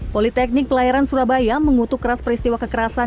politeknik pelayaran surabaya mengutuk keras peristiwa kekerasan